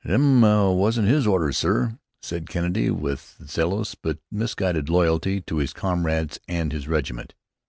"Thim wasn't his ordhers, surr," said Kennedy, with zealous, but misguided loyalty to his comrades and his regiment.